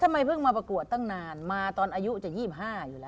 มาตอนอายุจะ๒๕อยู่แล้ว